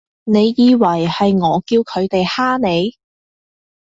你以為係我叫佢哋㗇你？